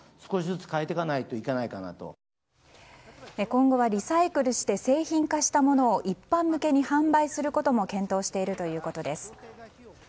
今後はリサイクルして製品化したものを一般向けに販売することも検討しているということです。